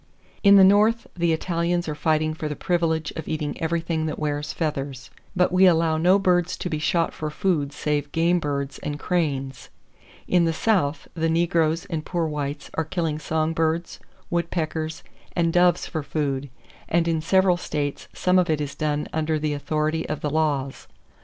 In the North, the Italians are fighting for the privilege of eating everything that wears feathers; but we allow no birds to be shot for food save game birds and cranes. In the South, the negroes and poor whites are killing song birds, woodpeckers and doves for food; and in several states some of it is done under the authority of the laws.